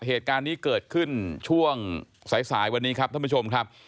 เหตุการณ์นี้เกิดขึ้นช่วงสายสายวันนี้ครับท่านผู้ชมครับ